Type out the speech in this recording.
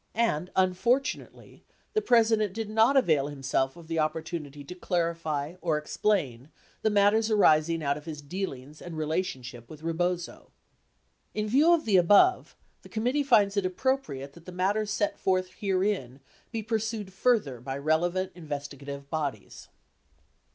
And unfortunately, the President did not avail himself of the opportunity to clarify or explain the matters arising out of his deal ings and relationship with Rebozo. In view of the above, the committee finds it appropriate that the matters set forth herein be pursued further by relevant investigative bodies.